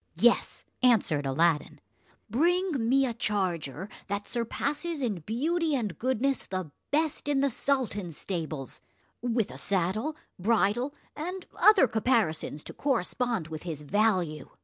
"Yes," answered Aladdin, "bring me a charger that surpasses in beauty and goodness the best in the sultan's stables; with a saddle, bridle, and other caparisons to correspond with his value.